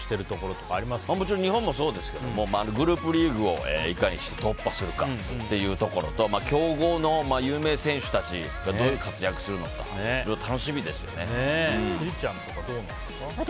もちろん日本もそうですけどグループリーグをいかに突破するかというところと強豪の有名選手たちがどういう活躍をするのか千里ちゃんとかはどうですか。